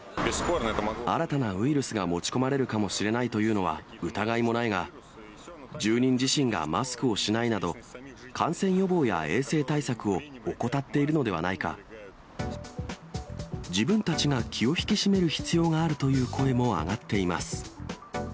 新たなウイルスが持ち込まれるかもしれないというのは、疑いもないが、住人自身がマスクをしないなど、感染予防や衛生対策を怠っている自分たちが気を引き締める必要があるという声も上がっています。